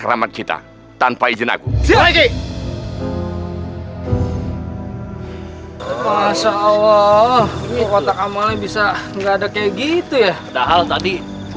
sampai santri santrinya begitu sadis